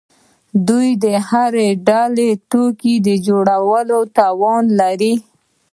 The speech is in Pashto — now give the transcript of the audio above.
دوی د هر ډول توکو د جوړولو توان لري.